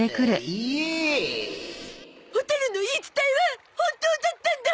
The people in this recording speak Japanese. ホタルの言い伝えは本当だったんだ！